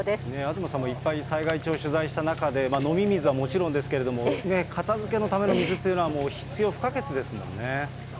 東さんもいっぱい災害地を取材してきた中で、飲み水はもちろんですけれども、片づけのための水というのは必要不可欠ですもん